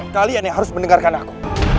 kalian yang harus mendengarkan aku